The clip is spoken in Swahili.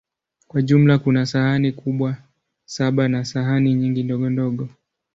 Kwa jumla, kuna sahani kubwa saba na sahani nyingi ndogondogo.